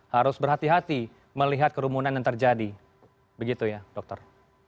harus berhati hati melihat kerumunan yang terjadi begitu ya dokter